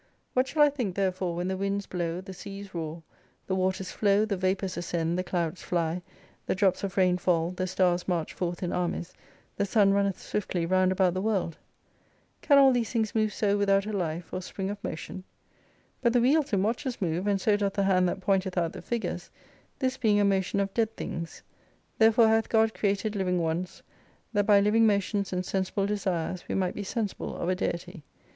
What shall I think therefore when the winds blow, the seas roar, the waters flow, the vapours ascend, the clouds fly, the drops of rain fall, the stars march forth in armies, the sun runneth swiftly round about the world ? Can all these things move so without a life, or spring of motion ? But the wheels in watches move, and so doth the hand that pointeth out the figures : this being a motion of dead things. Therefore hath God created living ones : that by lively motions, and sensible desirss, we might be sensible of a Deity.